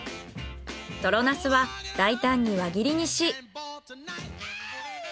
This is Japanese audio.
トロナスは大胆に輪切りにし。